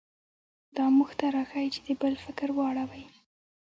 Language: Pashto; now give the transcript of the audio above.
دا موږ ته راښيي چې د بل فکر واورئ.